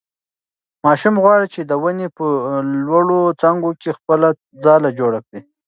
ماشوم غواړي چې د ونې په لوړو څانګو کې خپله ځاله جوړه کړي.